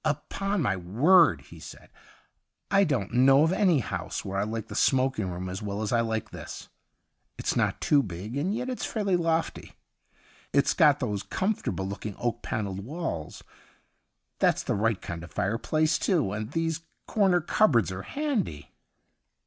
' Upon my word/ he said, ' I don't know of any house where I like the smoking room as well as I like this. It's not 138 THE UNDYING THING too big, and yet it's fairly lofty ; it's got those comfortable looking oak panelled walls. That's the right kind of fireplace, too, and these corner cupboards are handy.'